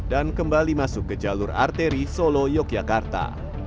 dan kembali masuk ke jalur arteri solo yogyakarta